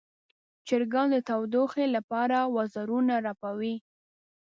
چرګان د تودوخې لپاره وزرونه رپوي.